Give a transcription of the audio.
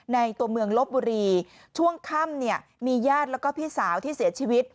ตัวเมืองลบบุรีช่วงค่ำเนี่ยมีญาติแล้วก็พี่สาวที่เสียชีวิต